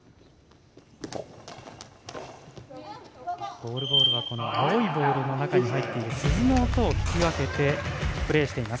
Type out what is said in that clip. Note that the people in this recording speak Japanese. ゴールボールは青いボールの中に入っている鈴の音を聞き分けてプレーしています。